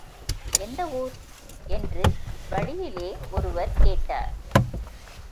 எந்த ஊர் என்று வழியிலே ஒருவர் கேட்டார்.